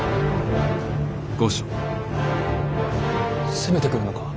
攻めてくるのか。